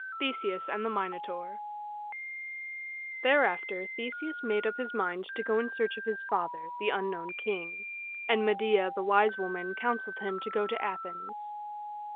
THESEUS AND THE MINOTAUR I Thereafter Theseus made up his mind to go in search of his father, the unknown king, and Medea, the wise woman, counseled him to go to Athens.